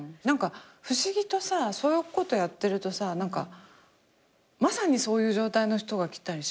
不思議とさそういうことやってるとさまさにそういう状態の人が来たりしない？